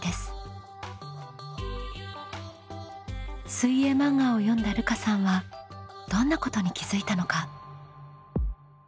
水泳漫画を読んだるかさんはどんなことに気づいたのか？